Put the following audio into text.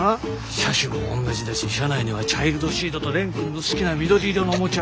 車種も同じだし車内にはチャイルドシートと蓮くんの好きな緑色のおもちゃ。